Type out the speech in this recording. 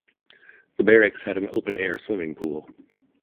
The barracks had an open-air swimming pool.